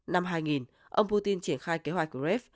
năm hai nghìn ông putin triển khai kế hoạch gref